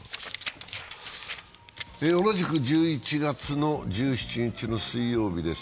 同じく１１月１７日の水曜日です。